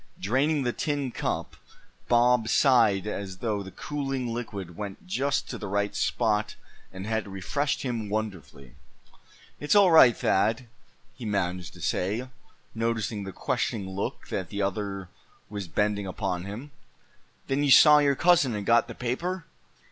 Draining the tin cup, Bob sighed as though the cooling liquid went just to the right spot, and had refreshed him wonderfully. "It's all right, Thad!" he managed to say, noticing the questioning look that the other was bending upon him. "Then you saw your cousin, and got the paper?"